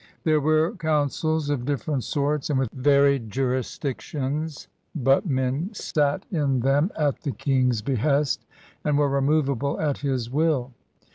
There were councils of different sorts and with varied jurisdictions, but men sat in FRANCE OF THE BOURBONS 5 them at the King's behest and were removable at his will.